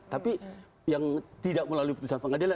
tapi yang tidak melalui putusan pengadilan